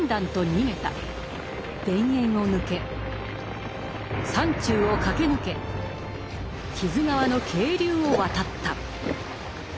田園を抜け山中を駆け抜け木津川の渓流を渡った。